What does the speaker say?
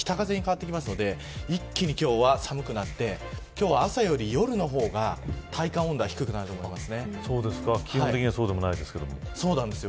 というのも南風から昼すぎになって北風に変わってきますので一気に今日は寒くなって朝より夜の方が体感温度は低くなると思います。